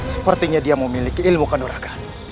sepertinya dia memiliki ilmu kandur raka